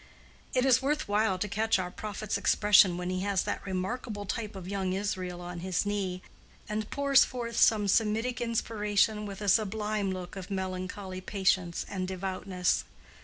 It is worth while to catch our prophet's expression when he has that remarkable type of young Israel on his knee, and pours forth some Semitic inspiration with a sublime look of melancholy patience and devoutness.